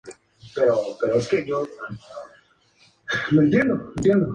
La interpretación de las culturas.